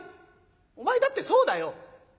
お前だってそうだよ。